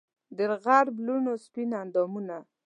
دغرب د لوڼو سپین اندامونه